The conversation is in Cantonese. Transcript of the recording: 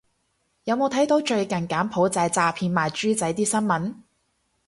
有冇睇到最近柬埔寨詐騙賣豬仔啲新聞